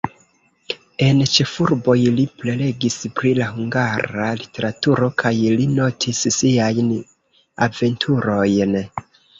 En ĉefurboj li prelegis pri la hungara literaturo kaj li notis siajn aventurojn.